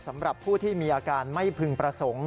สำหรับผู้ที่มีอาการไม่พึงประสงค์